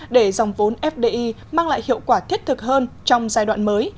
để dòng vốn fdi mang lại hiệu quả thiết thực hơn trong giai đoạn mới